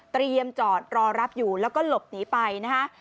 จอดรอรับอยู่แล้วก็หลบหนีไปนะคะ